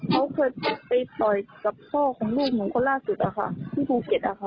เขาเคยไปต่อยกับพ่อของลูกหนูคนล่าสุดอะค่ะที่ภูเก็ตอะค่ะ